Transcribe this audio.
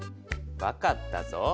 分かったぞ。